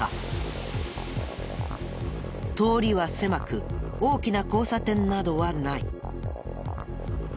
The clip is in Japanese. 通りは狭く大きな交差点などはない。